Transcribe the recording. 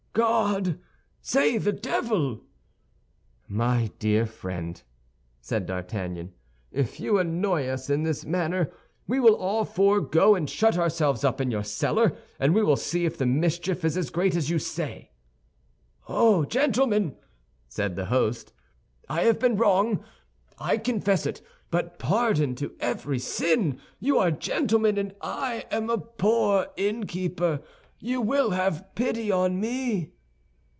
"God? Say the devil!" "My dear friend," said D'Artagnan, "if you annoy us in this manner we will all four go and shut ourselves up in your cellar, and we will see if the mischief is as great as you say." "Oh, gentlemen," said the host, "I have been wrong. I confess it, but pardon to every sin! You are gentlemen, and I am a poor innkeeper. You will have pity on me."